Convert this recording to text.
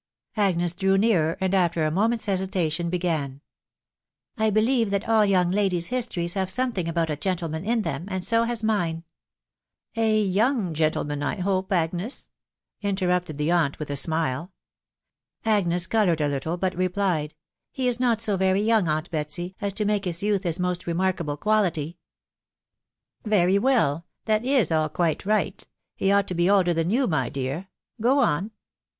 Agnes drew nearer, and after a moment's hesitation, began. " 1 believe that all young ladies' histories have something about a gentleman iu them, and so has mine ...."" A young gentleman, I hope, Agnes ?" interrupted the aunt, with a smile. Agnes coloured a little, but replied, "He is not so very young, aunt Betsy, as to make his youth, his most remarkable quality." 396 THIS WIDOW BARNABY. u Very well, that is all quite right ; he ought to be older than you, my dear .... Go on."